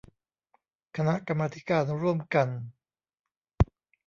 คณะกรรมาธิการร่วมกัน